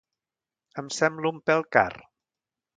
Em sembla un pèl car.